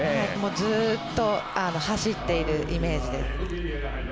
ずっと走っているイメージです。